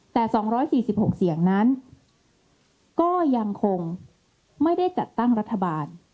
แต่สองร้อยสี่สิบหกเสียงนั้นก็ยังคงไม่ได้จัดตั้งรัฐบาล